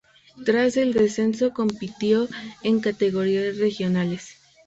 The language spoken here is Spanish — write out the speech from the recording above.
Tras el descenso compitió en categorías regionales.